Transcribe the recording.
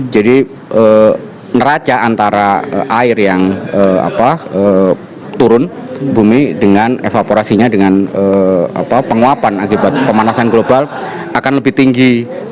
jadi neraca antara air yang turun bumi dengan evaporasinya dengan penguapan akibat pemanasan global akan lebih tinggi